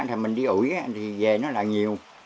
thì mình đi ủi thì về nó là nhiều